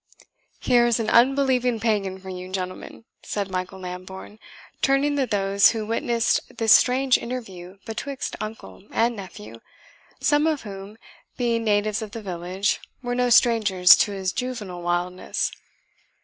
"Here's an unbelieving pagan for you, gentlemen!" said Michael Lambourne, turning to those who witnessed this strange interview betwixt uncle and nephew, some of whom, being natives of the village, were no strangers to his juvenile wildness.